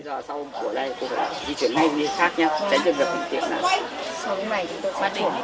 giờ sau hôm của đây cũng phải di chuyển lên đi khác nhé tránh được được bình tiện nào